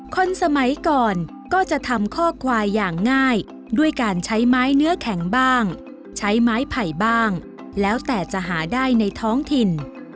คนสมัยก่อนก็จะทำข้อควายอย่างง่ายด้วยการใช้ไม้เนื้อแข็งบ้างใช้ไม้ไผ่บ้างแล้วแต่จะหาได้ในท้องถิ่น